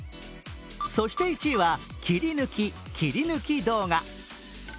そして１位は切り抜き・切り抜き動画。